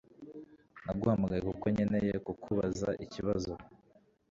Naguhamagaye kuko nkeneye kukubaza ikibazo